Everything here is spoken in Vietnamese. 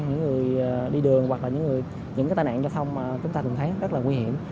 những người đi đường hoặc là những cái tai nạn giao thông mà chúng ta thường thấy rất là nguy hiểm